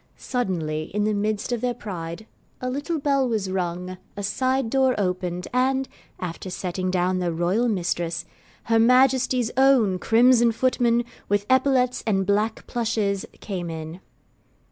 Suddenly, in the midst of their pride, a little bell was rung, a side door opened, and (after setting down their Royal Mistress) her Majesty's own crimson footmen, with epaulets and black plushes, came in.